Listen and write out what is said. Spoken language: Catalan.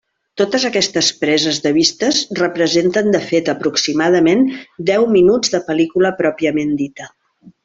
Totes aquestes preses de vistes representen de fet aproximadament deu minuts de pel·lícula pròpiament dita.